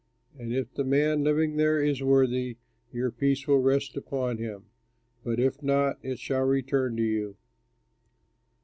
And if the man living there is worthy, your peace will rest upon him; but if not, it shall return to you.